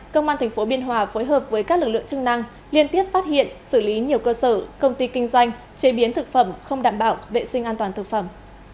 công an tp biên hòa phối hợp với các lực lượng chức năng liên tiếp phát hiện xử lý nhiều cơ sở công ty kinh doanh chế biến thực phẩm không đảm bảo vệ sinh an toàn thực phẩm